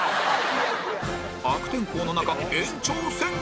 悪天候の中延長戦